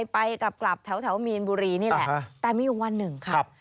ไปกลับแถวมีนบุรีนี่แหละแต่มีอยู่วันหนึ่งครับ